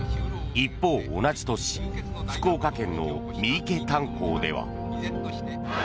一方、同じ年福岡県の三池炭鉱では。